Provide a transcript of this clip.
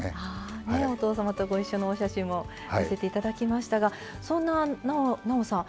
お父様とご一緒のお写真も見せていただきましたがそんななおさん